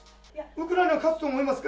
ウクライナが勝つと思いますか？